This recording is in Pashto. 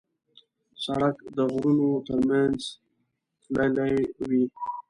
سړک د غرونو تر منځ تللی وي.